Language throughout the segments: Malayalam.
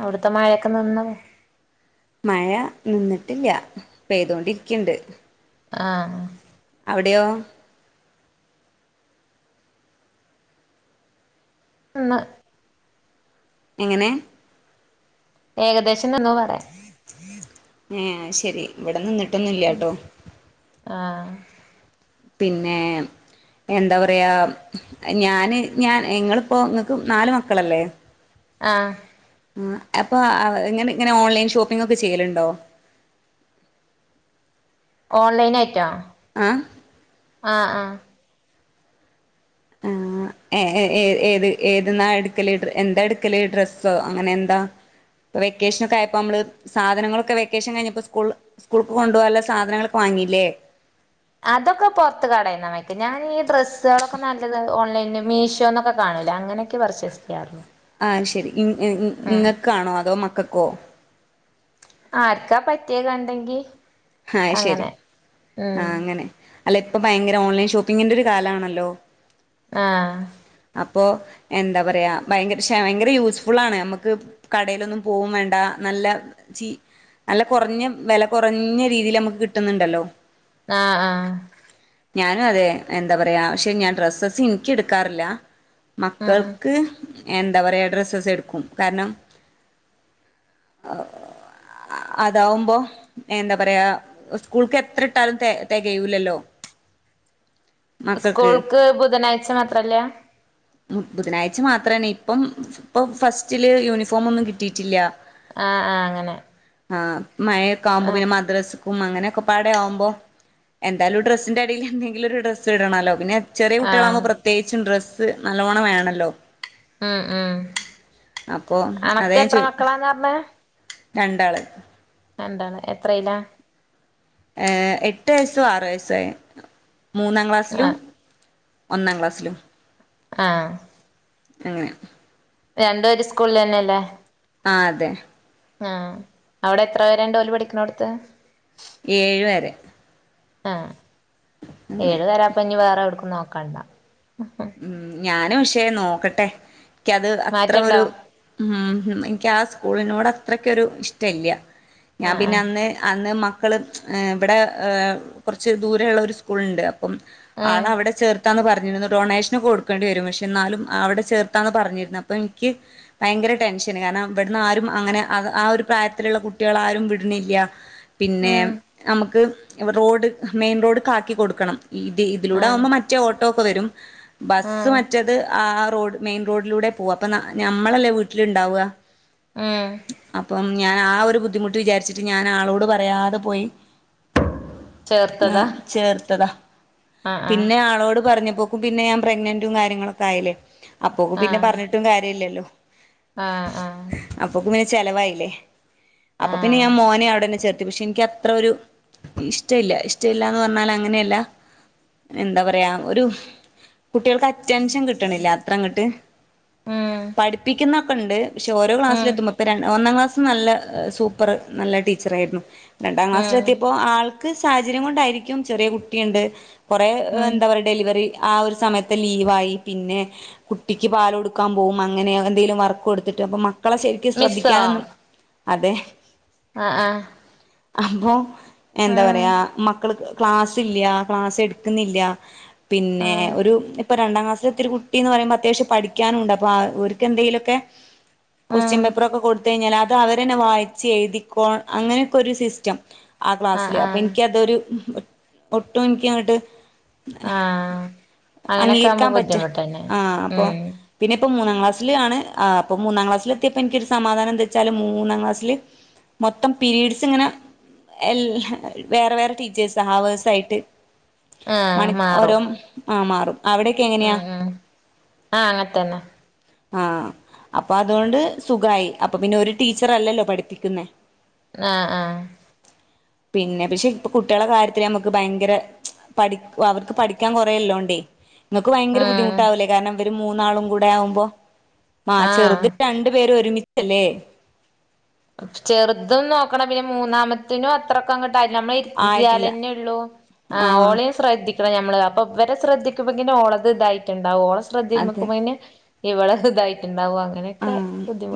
അവിടുത്തെ മഴയൊക്കെ നിന്നോ മഴ നിന്നിട്ടില്ല പെയ്തോണ്ടിരിക്കണ്ട് ആഹ് അവിടെയോ ഒന്ന് എങ്ങനെ? ഏകദേശം നിന്നെന്നോ പറ ഏഹ് അ ശരി ഇവിടെ നിന്നി നിന്നില്യ ട്ടോ ആഹ് പിന്നെ എന്താ പറയാ ഞാന് ഞാൻ ഇങ്ങളിപ്പോ നിങ്ങൾക്ക് നാല് മക്കളല്ലേ? ആഹ് ആഹ് അപ്പൊ ഇങ്ങനെ ഇങ്ങനെ ഓൺലൈൻ ഷോപ്പിംഗ് ഒക്കെ ചെയ്യലുണ്ടോ ഓൺലൈൻ ആയിട്ടോ ആഹ് ആഹ് ആഹ് ആഹ് ഏ ഏ ഏ ഏത് ഏതിന്നാ എടുക്കല് എന്താ എടുക്കല് ഡ്രെസ്സോ അങ്ങനെ എന്താ വെക്കേഷനൊക്കെ ആയപ്പോ നമ്മള് സാധനങ്ങളൊക്കെ വെക്കേഷൻ കഴിഞ്ഞപ്പോ സ്കൂൾ സ്കൂൾക്ക് കൊണ്ടുപോകാനുള്ള സാധനങ്ങളൊക്കെ വാങ്ങില്ലേ അതൊക്കെ പൊറത്ത് കടേന്നാ വാങ്ങിക്ക് ഞാൻ ഈ ഡ്രസ്സ് ഡ്രെസ്സുകളൊക്കെ നല്ലത് ഓൺലൈൻ മീഷോന്നൊക്കെ കാണൂല അങ്ങനെയക്കെ പർച്ചേസ് ചെയ്യാറുള്ളു ആഹ് ശെരി ഇങ്ങ് ആ ഇങ്ങക്കാണോ അതോ മക്കൾക്കോ ആർക്കാ പറ്റിയേ കണ്ടെങ്കി ആഹ് ശരി അങ്ങനെ ഉം ആഹ് അങ്ങനെ അല്ലേ ഇപ്പൊ ഭയങ്കര ഓൺലൈൻ ഷോപ്പിംഗിന്റെ ഒരു കാലാണല്ലോ ആഹ് അപ്പൊ എന്താ പറയാ ഭയങ്കര ശേ ഭയങ്കര യൂസ്ഫുൾ ആണ് നമ്മുക്ക് കടയിലൊന്നും പോവും വേണ്ട നല്ല ചീ നല്ല കുറഞ്ഞ വില കുറഞ്ഞ രീതിൽ നമുക്ക് കിട്ടുന്നുണ്ടല്ലോ ആഹ് ആഹ് ഞാനും അതേ, എന്താ പറയ്യാ, ക്ഷേ ഞാൻ ഡ്രെസ്സസ് ഇനിക്കെടുക്കാറില്ല. ഉം മക്കൾക്ക് എന്താ പറയ്യാ ഡ്രസ്സസ് എടുക്കും കാരണം അ അതാവുമ്പോ എന്താ പറയ്യാ സ്കൂള്ക്കു എത്രട്ടാലും തെ തെകയൂല്ലല്ലോ. സ്കൂൾക്ക് ബുധനാഴ്ച്ച മാത്രല്ലാ ബുധനാഴ്ച്ച മാത്രാണ് ഇപ്പം ഇപ്പൊ ഫസ്റ്റില് യൂണിഫോം ഒന്നും കിട്ടീട്ടില്ലാ. ആ ആ അങ്ങനെ. ആ മയേക്കാവുംമ്പങ്ങനെ ആഹ് മാത്രേ ഉം അങ്ങനെക്കെപ്പാടെ ആകുമ്പം എന്തായാലും ഒരു ഡ്രെസ്സിന്റെ ഇല്ലെന്തെങ്കിലുഒരു ഡ്രസ്സിടണോല്ലോ പിന്നെ ചെറിയ ആഹ് കുട്ടികളാവുമ്പം പ്രത്യേകിച്ചും ഡ്രസ്സ് ത് നല്ലോണം വേണല്ലോ. ആ ആ അപ്പോ അതാ അനക്ക് ഞാൻ എത്ര ചോദി മക്കളാന്നാറണെ? രണ്ടാള്. രണ്ടാള്, എത്രയിലാ? ഏ എട്ടുവയസ്സും ആറുവയസ്സുവായി. മൂന്നാം ക്‌ളാസിലും ആഹ് ഒന്നാം ക്ലാസ്സിലും. ആ അങ്ങനെ. രണ്ടും ഒരു സ്കൂളിലന്നെയല്ലേ? ആ അതേ. ആ അവിടെത്ര വരേണ്ടോലു പഠിക്കാണോടത്തു? ഏഴുവരെ. ആ ഏഴു തരാവുപ്പോനി വേറെ നോക്കണ്ട. ഉം ഞാനുപക്ഷേ നോക്കട്ടെ. ക്കത് അത്ര മാറ്റണ്ടോ ഒരു ഉം ക്കാ സ്കൂളിനോടത്രക്കൊരു ഇഷ്ടല്ല്യ. ആഹ് ഞാമ്പിന്നന്നേ അന്ന് മ ക്കള് ഏഹ് ഇബടെ ഏഹ് കൊറച്ച് ദൂരെള്ള ഒരു സ്കൂളുണ്ട്. കും ആഹ് ആഹ് ആളവിടെ ചേർക്കാന്ന് പറ പിന്നിത് ഡോണ്ഷ് ച്ച് കൊടുക്കണ്ടിവരും പക്ഷേന്നാലും അവിടെ ചേർക്കാന്നു പറഞ്ഞിരുന്നു അപ്പം എനിക്ക് ഭയങ്കര ടെൻഷന് കാരണം ഇബിടുന്നാരും അങ്ങനെ ആ ആ ഒരു പ്രായത്തിലുള്ള കുട്ടികളാരേം വിടുന്നില്ല്യ. പിന്നേ ഉം നമ്മക്ക് വിടെ റോഡ് മെയിൻ റോഡ്ക്കാക്കി കൊടുക്കണം. ഇത് ആഹ് ഇതിലൂടാവുമ്പം മറ്റേ ഓ ട്ടോ ഇപ്പ വരും ബസ്സ് ആഹ് മറ്റേത് ആ റോഡ് മെയിൻ റോഡിലൂടെയാ പോവാ അപ്പ ന ഞമ്മളല്ലേ വീട്ടിലിണ്ടാവുക ആഹ് ഞാൻ ആ ഒരു ബുദ്ധിമുട്ട് വിചാരിച്ചിട്ട് ഞാൻ ആളോട് പറയാതെ പോയി ചേർത്തതാ ഏഹ് ചേർത്തതാ ആഹ് പിന്നെ ആഹ് ആളോട് പറഞ്ഞു ഒക്കും പിന്നേം പ്രെഗ്നന്റും കാര്യങ്ങളും ഒക്കെ ആയില്ലേ അപ്പോക്ക് പിന്നെ ആഹ് പറഞ്ഞിട്ടും കാര്യവില്ലല്ലോ ആഹ് ആഹ് പിന്നെ ചെലവായില്ലേ അപ്പ പിന്നെ ആഹ് ഞാൻ മോനെ അവിടെ ത്തി പക്ഷേ എനിക്കത്ര ഒരു ഇഷ്ടവില്ല ഇഷ്ടവില്ലാന്ന് പറഞ്ഞാലങ്ങനെയല്ല എന്താ പറയാ ഒരു കുട്ടികൾക്ക് അറ്റെൻഷൻ കിട്ട്ണില്ല അത്ര അങ്ങട്ട് ഉം പഠിപ്പിക്കുന്ന ക്കൊണ്ട് പക്ഷേ ഓരോ ക്ലാസ്സില് ഉം എത്തുമ്പോ ഇപ്പൊ ര ഒന്നാം ക്ലാസ്സ് ത്ത് നല്ല സൂപ്പറ് നല്ല ടീച്ചറായിരുന്നു രണ്ടാം ഉം ക്ലാസ്സിലെത്തിയപ്പോ ആ ക്ക് സാഹചര്യം കൊണ്ടായിരിക്കും ചെറിയ കുട്ടിയുണ്ട് കൊറേ ഉം എന്താ പറയാ ഡെലിവറി ആ ഒരു സ മയത്ത് ലീവ് ആയി പിന്നെ കുട്ടിക്ക് പാല് കൊടുക്കാൻ പോകും അങ്ങനെ എന്തേലും വർക്ക് കൊടുത്തിട്ട് അപ്പൊ മ ക്കളെ ശെരിക്ക് ശ്രെദ്ധിക്കാനൊന്നും അതെ അ ആ [inaudible] എന്താ പറയാ മക്കള്ക്ക് ക്ലാസില്ല്യ ക്ലാസ് എടുക്കുന്നില്ല പിന്നെ ആഹ് ഇപ്പൊ രണ്ടാം ക്ലാസ്സിലെത്തിയ ഒരു കുട്ടി എന്ന് പറയുമ്പൊ അത്യാവശ്യം പഠിക്കാനുണ്ട് അപ്പൊ ഓർക്ക് എന്തേലും ഒക്കെ ആഹ് കൊസ്റ്റ്യൻ പേപ്പർ ഒക്കെ കൊടുത്തു കഴിഞ്ഞാൽ അ ത് അവര് തന്നെ വായിച്ച് എഴുതിക്കോ അങ്ങനെയൊക്കെ ഒരു സിസ്റ്റം ആ ക്ലാസ്സിലെ ആഹ് അപ്പൊ ആഹ് എനിക്കെന്തൊരു ഒട്ടുമിക്ക എന്നിട്ട് ആ ആ അഗീകരിക്കാൻ പറ്റാ ആ അപ്പോൾ ഉം പിന്നെ ഇപ്പോൾ മൂന്നാക്ലാസ്സിലാണ് ആ മൂന്നാക്ലാസിലെതിപ്പോൾ എനിക്ക് ഒരു സമാധാനന്തേച്ചാൽ മൂന്നാക്ലാസിലെ മൊത്തം പിരീഡ്സ് ഇങ്ങനെ എൽ വേറെ വേറെ ടീച്ചേർസാ അവോഴ്‌സ് ആയിട്ട് ആ മണി ഓരോ മാറും ആ മാറും അവിടെക്കെ എങ്ങനെയാ ആ അങ്ങതന്നെ ആ അപ്പ അതുകൊണ്ട് സുഖയി അപ്പംപിന്നെ ഒരു ടിച്ചർഅല്ലല്ലോ പഠിപ്പിക്കുന്നെ ആ ആ പിന്നെ പക്ഷെ കുട്ടികൾടെ കാര്യത്തിൽ നമ്മക്ക് ഭയങ്കര പഠിക്ക് അവർക്ക് പഠിക്കാൻ കുറെ ഇളേളണ്ട് നിങ്ങൾക്ക് ഭയങ്കര ഉം ബുദ്ധിമുട്ട് അകുല്ലേ കാരണം ഓരെ മൂന്നാളും കൂടെ ആകുമ്പോൾ ആ ആഹ് ചെറുത് രണ്ടു പേരും ഒരുമി- ച്ച് അല്ലേ ചെറുതും നോക്കണംപിന്നെ മൂന്നാമത്തെനും അത്രക്ക് അങ്ങോട്ട് നമ്മള് ആയിട്ടില്ല ഇരുത്തിയാലേന്നെള്ളൂ ആ ആഹ് ഓലയിന്ന് ശ്രദ്ധി ഞാമ്മള് അപ്പോൾ ഇവരെ ശ്രദ്ധിക്കുബോ ഓളത് ഇതായിട്ടുണ്ടാകും ഓള് ശ്രദ്ധ അതെ ഇമ്മക്കും അങ്ങനെ ഇവളെ സുഖയിട്ട് ഉണ്ടാകുവാ ആ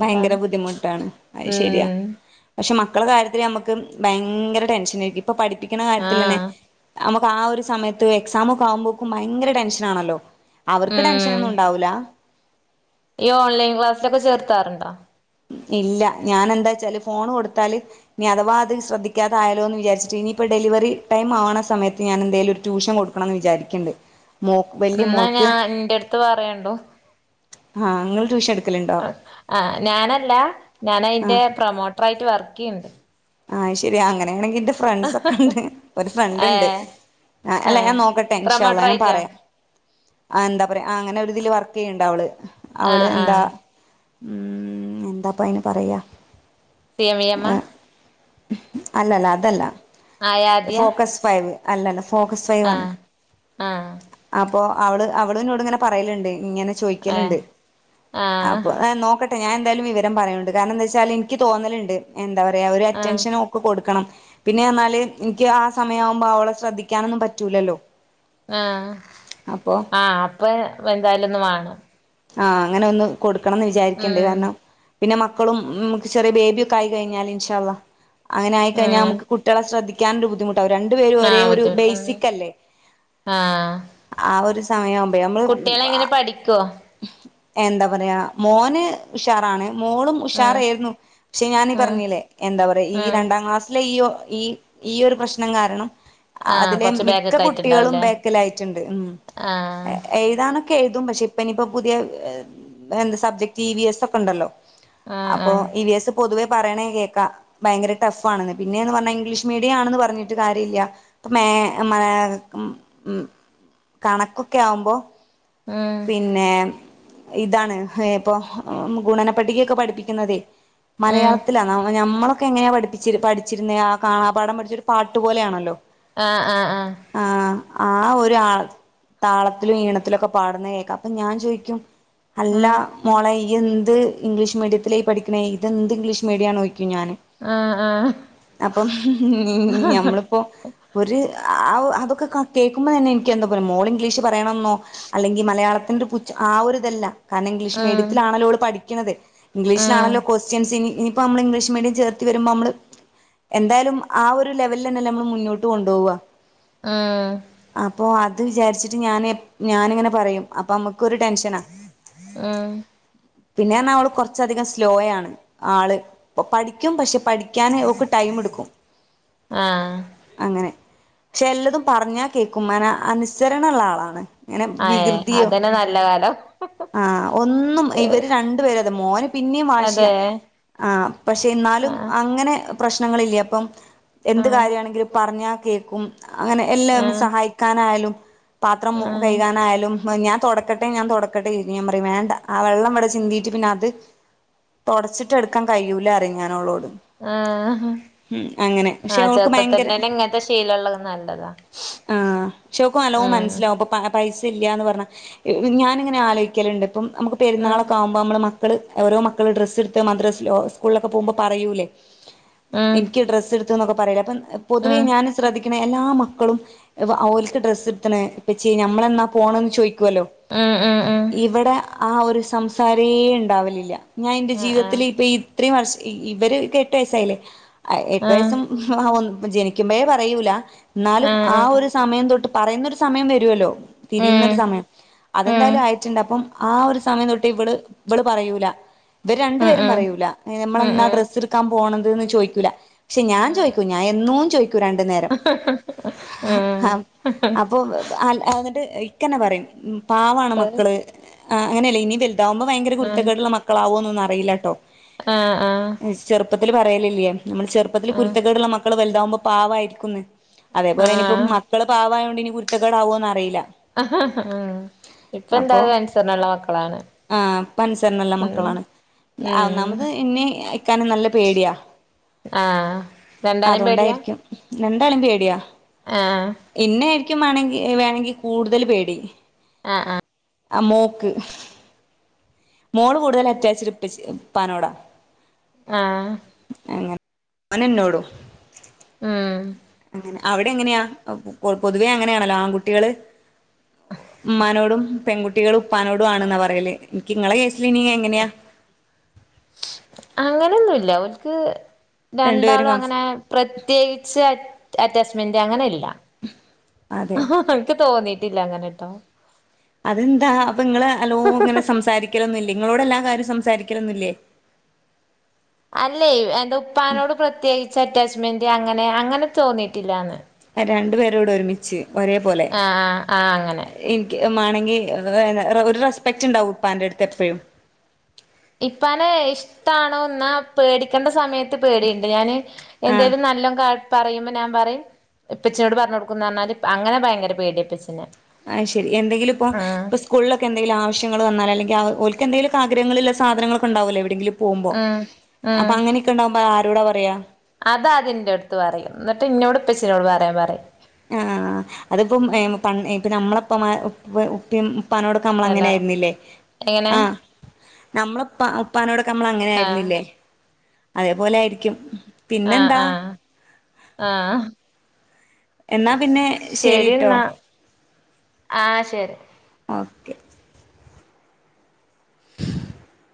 ഭയങ്കര ബുദ്ധിമുട്ടാണ് ആയിശേ- ഉം പക്ഷെ മക്കളെ കാര്യത്തില് നമ്മക്ക് ഭയെങ്കര ടെൻഷനേയ്ക്കും. ഇപ്പ പഠിപ്പിക്ക്ണ കാര്യത്തിലെന്നെ ആഹ് നമ്മക്ക് ആ ഒര് സമയത്ത് എക്സാമൊക്കെ ആവുമ്പോക്കും ഭയങ്കര ടെൻഷന് ആണെല്ലോ അവർക്ക് ടെൻഷന് ഉം ഒന്നും ഉണ്ടാവൂലാ ഈ ഓൺലൈൻ ക്ലാസ്സ്ലക്കാ ചേർത്താറ്ണ്ടോ? ഇല്ല ഞാനെന്താച്ചാല് ഫോണ് കൊടുത്താല് ഇനി അതവാ അതിൽ ശ്രദ്ധിക്കാതയാലോന്ന് വിചാരിച്ചിട്ട് ഇനി ഇപ്പ ഡെലിവറി ടൈം ആവ്ണ സമയത്ത് ഞാൻ എന്തേലൊരു ട്യൂഷൻ കൊടുക്കണം ന്ന് വിചാരിക്കിണ്ട്. ഇന്നാ ഞാൻ ഇന്റട്ത്ത് പറയേണ്ടു ആ ഇങ്ങള് ട്യൂഷൻ എട് അ ആ ഞാന ല്ല, ഞാന് അയിന്റെ ആഹ് പ്രേമോട്ടർ ആയിട്ട് വർക്ക്‌യ്യിണ്ട്. അയ് ശെരി അങ്ങനെണെങ്കിൽ എന്റെ ഫ്രണ്ട്സ് ഒക്കെണ്ട്. ഒരു ഫ്രണ്ട് ഏ ഇണ്ട്. ഏ അല്ല ഞാൻ നോക്കട്ടെ പ്രൊമോട്ടർ ഇൻഷാഅള്ളാഹ് ഞാൻ ആയിട്ടാ പറയാം അയെന്താ പറയ് അങ്ങനൊരിതില് വർക്കെയ്യ്ണ്ട് അവള് ആ അവള് ആ എന്താ മ് എന്താപ്പയ്ന് പറയ് പി എം വി എമാ അല്ലല്ല അതല്ല ആയാദ്യ ഫോക്കസ് ഫൈവ് അല്ലല്ല ഫോക്കസ് ആ ഫൈവാണ് ആ അ പ്പൊ അവള് അവള്ന്നോട്ങ്ങനെ പറയല്ണ്ടെ ഇങ്ങനെ ഏ ചോയ്ക്കല്ണ്ട് ആ അപ്പൊ ഏ നോക്ക ട്ട് ഞാന്തായാലും വിവരം പറയൊണ്ട് കാരണെന്താച്ചാല് ഇനിക്ക് തോന്നല്ണ്ട് എന്താ പർയാ ഒര് ആ ടെൻഷന്‌ ഒക്കെ കൊടുക്കണം പിന്നെ എന്നാല് ഇനിക്ക് ആ സമയാവുമ്പം ഓളെ ശ്രദ്ധിക്കാനൊന്നും പറ്റൂലല്ലൊ ആഹ് ആഹ് അപ്പേ വന്തായാലൊന്ന് വാണം ആഹ് അങ്ങനൊന്ന് കൊട് ക്കണന്ന് വിചാരിക്ക്ണ്ട് ഉം കാരണം പിന്നെ മക്കളും മ്മക്ക് ചെറിയബേബിയൊക്കെ ആയികഴിഞ്ഞാല് ഇൻഷാ അള്ളാ അങ്ങനായികയിഞ്ഞാ ഉം അമ്മക്ക് കുട്ട്യെളെ ശ്രദ്ധിക്കാ ക്ക്യാണ്ട് ബുദ്ധിമു ട്ടാവും രണ്ടുപേരും ആ ഒരേ ഒരു ബുദ്ധിമുട്ട് ഉം ബേസിക്കല്ലെ ആ ഒരു സ് സമയം കുട്ട്യോളെങ്ങനെ പഠിക്കോ? എന്താപറയ മോന് ഉഷാറാണ്. മോളും ഉം ഉഷാറേരുന്നു ഷെ ഉം ഞാനീപറഞ്ഞീല്ലെ എന്താപറയ ഈ ഉം രണ്ടാക്ലാസിലെ ഇയൊ ഇ ഈയൊരു പ്രശ്നം കാരണം ആഹ് അതിലെ കൊറച്ച് ബാഗൊക്കെ മിക്കകുട്ടികളും ആയിട്ടുണ്ടാവൂലേ ബേക്കിലായിടിണ്ട് ഉം ആഹ് എയ്താനൊ- ക്കെയ്തും പക്ഷെ പ്പിനീപ്പം പുതിയ എന്താ സബ്ജക്ട് ഇ വി എസ് ഒക്കണ്ടല്ലൊ ആഹ് അപ്പൊ ആഹ് ഇ വി എസ് പൊതുവെ പറയണേകേക്കാം ഭയങ്കര ടഫാണ്ന്ന് പിന്നെയാന്ന് പറഞ്ഞെ ഇംഗ്ലീഷ് മീഡിയാണെന്ന് പറഞ്ഞിട്ട് കാര്യല്ല ഇപ്പ മേ മ മ് കണകൊക്കെ ആവുമ്പൊ ഉം പിന്നെ ഇതാണ് ഇപ്പൊ ഗുണനപ്പട്ടികയൊക്കെ പഠിപ്പിക്കുന്നതെ ഉം മലയാളത്തിലാണ് അവഞമ്മള- ക്കെങ്ങന പഠിപ്പിചിരു പഠിച്ചിരുന്നെ ആ കാണാപാഠം പഠിച്ചൊരുപാട്ട്പോലാണല്ലൊ ആ ആ ആ ആ ഒരു ആള താളത്തിലും ഈണത്തിലൊക്കെ പാടുന്നത് കേക്കാം ഞാൻ ചോയിക്കും അല്ല ആഹ് മോളെ ഇ എന്ത് ഇംഗ്ലീഷ് മീഡിയത്തിലാ പഠിക്ക്‌ണേ ഇത് എന്ത് ഇംഗ്ലീഷ് മീഡിയാണ് ചോ യിക്കും ഞാന് ആഹ് ആഹ് ആഹ് അപ്പം നമ്മള്പ്പോ ഒര് ആ ഔ അത് കേൾക്കുമ്പോൾ തന്നെ എനിക്ക്‌ എന്തോ പോലെ മോള് ഇംഗ്ലീഷ് പറയണന്നോ അല്ലെങ്കിൽ മലയാളത്തിന്റെ [unintelligible] ആ ഒരു ഇതല്ല കാരണം ഇംഗ്ലീഷ് ഉം മീഡിയത്തിലാണല്ലോ ഓള് പഠി ക്ക്‌ണത് ഉം ഇംഗ്ലീഷിലാണല്ലോ ക്വസ്റ്റ്യൻസ് ഇനി ഇനി ഇപ്പം നമ്മള് ഇംഗ്ലീഷ് മീഡിയം ചേർത്തി വരുമ്പോൾ നമ്മള് എന്തായാലും ആ ഒരു ലെവല്ല്ല്ലേ നമ്മള് മുന്നോട്ടു കൊണ്ടോവാ ആ അത് വിചാരിച്ചിട്ട് ഞാന് ഞാന് അങ്ങനെ പറയും അപ്പ നമുക്ക് ഒരു ടെൻഷനാ ആ പിന്നെറിഞ്ഞാല് ഓള് കുറച്ചധികം സ്ലോയാണ് ആള് പഠിക്കും പക്ഷേ പഠിക്കാന് ടൈമടുക്കും ആ ക്ഷെല്ലതും പറഞ്ഞാ കേൾക്കും അന അനുസരണയുള്ള ആളാണ് അയേ വികൃതിയോ അതന്നെ നല്ല കാലം ആ ഒന്നും ഇവര് രണ്ടുപേര് മോന് പിന്നിം വാശിയാ അതെ ആ പക്ഷേ എന്നാലും ആഹ് അങ്ങനെ പ്രശ്നങ്ങളില്ലപ്പം എന്ത് ആഹ് കാര്യാണങ്കിലും പറഞ്ഞാ കേൾക്കും അങ്ങനെ എല്ലാം ആഹ് സഹായിക്കാനായാലും പാത്രം ആഹ് കഴി ലും ഞാൻ തൊടക്കട്ടെ ഞാൻ തൊടക്കട്ടെ ഇനി പറയും വേണ്ട ആ വെള്ളം ഇവടെ ചിന്തിയിട്ട് പിന്നെ അത് തൊടച്ചിട്ട് എടുക്കാൻ കയ്യൂലാ പറയും ഞാന്ഓളോട്. ആഹ ആ പക്ഷെ ഓൾക്ക് ചെറുപ്പതത്തിലന്നെ ഭയങ്കര ഇങ്ങനെ ശീലള്ളത് നല്ലതാ. ആഹ് പക്ഷെ ഓക്ക് നല്ലോ ഉം മനസ്സിലാവും ഇപ്പൊ പൈസ ഇല്ല്യാന്ന് പറഞ്ഞ ഞാൻ ഇങ്ങനെ ആലോയിക്കല്ണ്ട് ഇപ്പം നമുക്ക് ഉം പെരുന്നാളൊക്കെ ആവുമ്പോ നമ്മുടെ മക്ക്‌ മക്കള് ഓരോ മക്കള് ഡ്രസ്സ്ട്ത്ത് മദ്റസ് ലോ സ്കൂളിലോ പോവുമ്പോ പറയൂലേ ഉം ഇൻക്ക്‌ ഡ്രസ്സ് എടുത്ത്ന്ന്ക്കെ പറയൂലെ പൊതുവേ ഉം ഞാൻ ശ്രദ്ധിക്ക് പിന്നെ എല്ലാ മക്കളും ഇവ ഓല്ക് ഡ്രസ്സ്‌ എടുത്തിന് ഇപ്പച്യേ നമ്മളെന്നാ പോണേന്ന് ചോയ് കുവല്ലോ ഉം ഉം ഉം ഇവിടെ ആ ഒരു സംസാരേ ഇണ്ടാവലില്ല ഞാ എന്റെ ആഹ് ജീവ്തത്തില് ആഹ് ഇപ്പോ ഈ ഇത്രേം വർശ് ഈ ഇവര് കെട്ട് വൈസായില്ലെ ആ എട്ട് ആഹ് വൈസും [unintelligible] ജെനികുമ്പേ പറയൂല്ല എന്നാലും ആഹ് ആ ആഹ് ഒരു സമയംതൊട്ട് പറയ്നൊരു സമയം വരുല്ലോ തിരിയ്നൊരു ഉം സമയം ഉം അതെന്തായ്ലും അയ്ച്ചിണ്ടപ്പം ആ ഒരു സമയംതൊട്ട് ഇവള് ഇവള്പറയൂല്ല ഇവര് ഉം ഉം രണ്ടുപേരും ഉം പറയൂല്ല എ ഉം നമ്മളന്നാ ഉം ഡ്രെസ്സെട്ക്കാൻ പോണന്ന്. തന്ന് ചോയ്ക്കൂല്ല ശെ ഞാചോയ്കും ഞഎന്നൂമ് ചോയ്ക് ക് രണ്ട് നേരം ആം അപ്പോ ആ ആല് ഇത് ഇക്കനെ പറ്യും പാവാണ് ഉം മക്കള് ആ അങ്ങനല്ല ഇങ്ങ്നെ ഉണ്ടാകുമ്പോ ഭയങ്കര കുരുത്തക്കേടുള്ള മക്കളാവും അതൊന്നറിയില്ലാട്ടോ ആഹ് ആഹ് ഉം ആഹ് ചെർപ്പത്തില് പറയാലില്യാന്ന് നമ്മടെ ചെർപ്പത്തില് കുര്ത്തക്കേടുള്ള മക്കള് വെല് തമ്പോ പാവാര്ക്കു‌ന്ന് ആഹ് അതേപോലെ ആഹ് ഇനിപ്പോ മക്കള് പാവായോണ്ട് ഇതിനിം കുര്ത്തകേടാവോന്നറിയില്ല അഹ് ഇപ്പോ അപ്പൊ എന്താലും അൻസർണ ഒള്ള മക്കളാണ് ആഹ് പൻസറിനുള്ള ഉം മക്കളാണ് ഉം ഒന്നാമത് എന്നെ ഇക്കാനെ നല്ല പേടിയാ ആ രണ്ടാളും പേടിയാ എന്താലും പേടിയാ ആ ഇകും മേണെങ്കി എ വേണെങ്കി കൂടുതല് പേടി ആ ആ ആ മോക് മോള് കൂടുതല് അറ്റാച്ട് ഉപ്പച്ചി ഉപ്പാനോടാ ആ അവന് എന്നോടും മ് അവിടെ എങ്ങനെയാ പൊ പൊതുവെ അങ്ങനെയാണല്ലോ ആൺകുട്ടികള് ഉമ്മാനോടും പെൺകുട്ടികള് ഉപ്പാനോടും ആണെന്ന് പറയില്ല് ക് ഇങ്ങടെ കേസില് ഇനി എങ്ങാനെയാ അങ്ങനൊന്നും ഇല്ല അവർക് രണ്ടുപേരും രണ്ടാളും കംഫ് അങ്ങനെ പ്രത്യേകിച്ച് അറ്റാച്ച് മെന്റ് അങ്ങനെ ഇല്ല അതെ എനിക്ക് തോന്നി ഇല്ല അങ്ങനെട്ടോ അതെന്താ അപ്പ ഇങ്ങള് ലോ ഇങ്ങനെ സംസാരിക്കല് ഒന്നും ഇല്ലേ ഇങ്ങളോട് എല്ലാ കാര്യം സംസാരിക്കനോനില്ലേ അല്ലേ എന്തോ ഉപ്പാനോട് പ്രത്യേകിച്ച് അറ്റാച്ച് മെന്റ് അങ്ങനെ നെ അങ്ങനെ തോന്നിട്ടില്ലാന്ന് രണ്ടു പേരോടും ഒരുമിച്ച് ഒരേപോലെ ആഹ് ആഹ് ആഹ് അങ്ങനെ എനിക്ക് മേണങ്കി ഈ ഒര് ര് റസ്പക്റ്റ് ഉണ്ടാകും ഉപ്പാന്റെടുത്ത് എപ്പഴും ഇപ്പാനെ ഇഷ്ടാണോ എന്നാ പേടിക്കണ്ട സമയത്ത് പേടി ഉണ്ട് ഞാന് ആഹ് എന്തേലും നല്ല കാ പറയുമ്പം ഞാൻ പറയും ഉപ്പച്ചിയോട് പറഞ്ഞ് കൊടുക്കും എന്ന് പറഞ്ഞാലും അങ്ങനെ ഭയങ്കര പേടിയാ ഉപ്പച്ചിനേ ആയി ശരി എന്തെങ്കിലും ഇപ്പം ഈസ്കൂളിൽ ഒക്കെ എന്തെലും ആവശ്യങ്ങള് വന്നാൽ അല്ലാങ്കിൽ ഞാ ഓർക്ക് എന്തെങ്കിലും ആഗ്രഹങ്ങളുള്ള സാധനങ്ങൾ ഉണ്ടാകുമല്ലോ എവിടെയെങ്കിലും പോകുമ്പം ഉം ഉം അപ്പം അങ്ങനെയൊക്കൊക്കെ ഉണ്ടാകുമ്പോ ആരോടാ പറ [inaudible] അത് അതിന്റെ ട്ത്ത് പറയും എന്നിട്ട് എന്നോടും ഉപ്പച്ചി നോട് പറയാൻ പറയും ആ അതിപ്പം നമ്മള് ഉപ്പിനോടു ഉപ്പി ഉപ്പാനോട് നമ്മൾ അങ്ങനെ ഹലോ എങ്ങനെ ആയിരിക്കും ആഹ് അല്ലേ അതേ പോലെ ആയിരിക്കും പിന്നെന്താ ആഹ്ആ ആ ആ എന്നാ പിന്നെ ശെരി കേട്ടോ ആഹ്ആ ശരി ഒക്കെ